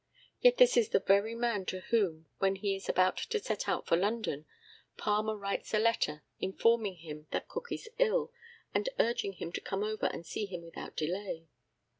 Yet this is the very man to whom, when he is about to set out for London, Palmer writes a letter informing him that Cook is ill, and urging him to come over and see him without delay.